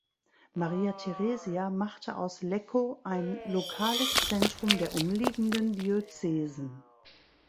Maria Theresia machte aus Lecco ein lokales Zentrum der umliegenden Diözesen.